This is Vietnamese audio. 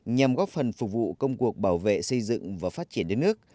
nhằm góp phần phục vụ công cuộc bảo vệ xây dựng và phát triển đất nước